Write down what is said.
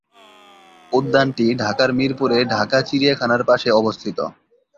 উদ্যানটি ঢাকার মিরপুরে ঢাকা চিড়িয়াখানার পাশে অবস্থিত।